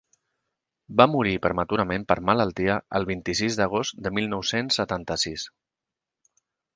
Va morir prematurament per malaltia el vint-i-sis d’agost de mil nou-cents setanta-sis.